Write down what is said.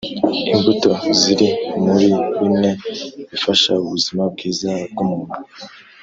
imbuto ziri muri bimwe bifasha ubuzima bwiza bwu muntu